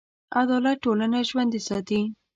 عدالت ټولنه ژوندي ساتي.